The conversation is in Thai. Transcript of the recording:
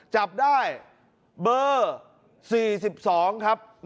จับได้เบอร์๔๒ครับ